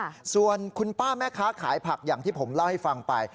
ค่ะส่วนคุณป้าแม่ค้าขายผักอย่างที่ผมเล่าให้ฟังไป